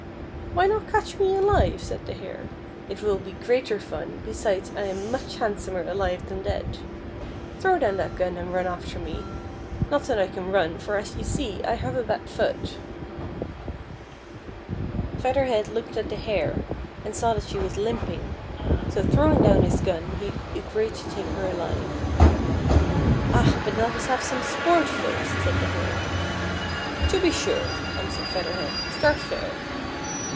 "Why not catch me alive," said the Hare. "It will be greater fun, besides I am much handsomer alive than dead. Throw down that gun and run after me, not that I can run, for as you see 1 have a bad foot." 230 FEATHER HEAD. Feather Head looked at the Hare, and saw that she was Hmping ; so throwing down his gun, he agreed to take her aHve. " Ah ! but let us have some sport first," said the Hare. " To be sure," answered Feather Head. *' Start fair."